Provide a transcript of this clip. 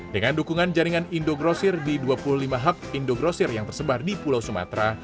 dengan dukungan jaringan indogrosir di dua puluh lima hub indogrosir yang tersebar di pulau sumatera